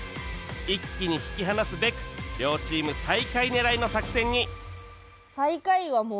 一気に引き離すべく両チーム最下位狙いの作戦に